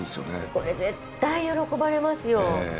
これ絶対喜ばれますよ。